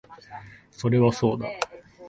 それはそうだ